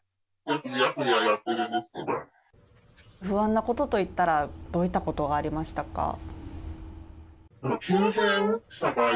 不安なことと言ったらどういったことがありましたか。